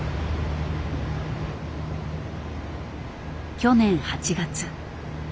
去年８月。